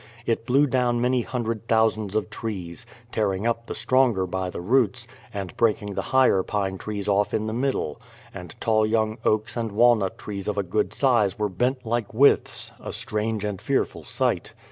It blew down many hundred thousands of trees, tearing up the stronger by the roots, and breaking the higher pine trees off in the middle; and tall young oaks and walnut trees of a good size were bent like withes, — a strange and fearful sight.